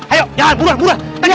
ayo jalan buruan buruan